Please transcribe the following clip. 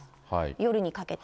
夜にかけて。